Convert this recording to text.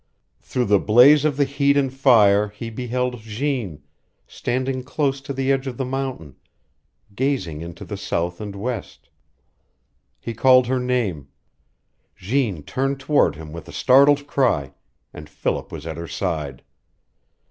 Through the blaze of the heat and fire fie beheld Jeanne, standing close to the edge of the mountain, gazing into the south and west. He called her name. Jeanne turned toward him with a startled cry, and Philip was at her side.